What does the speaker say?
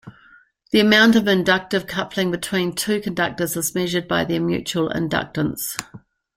The amount of inductive coupling between two conductors is measured by their mutual inductance.